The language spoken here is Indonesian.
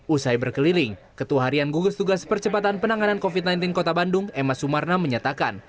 usai berkeliling ketua harian gugus tugas percepatan penanganan covid sembilan belas kota bandung emma sumarna menyatakan